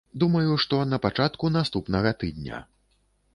Думаю, што на пачатку наступнага тыдня.